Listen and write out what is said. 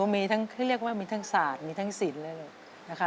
มีทั้งสารมีทั้งศิลป์